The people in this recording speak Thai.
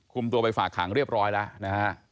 คุมตัวไปฝากขังเรียบร้อยแล้ว